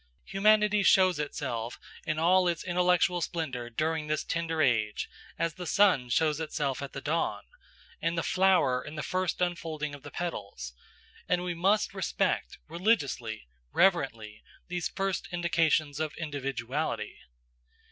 Humanity shows itself in all its intellectual splendour during this tender age as the sun shows itself at the dawn, and the flower in the first unfolding of the petals; and we must respect religiously, reverently, these first indications of individuality.